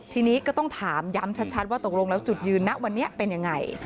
ทีนี้ก็ต้องถามย้ำชัดว่าตกลงแล้วจุดยืนนะวันนี้เป็นยังไง